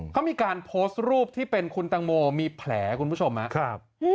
เขามีการโพสต์รูปที่เป็นคุณตังโมมีแผลคุณผู้ชมครับ